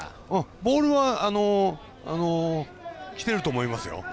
ボールはきてると思いますよ。